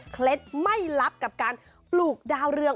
ไม่ลับกับการปลูกดาวเรือง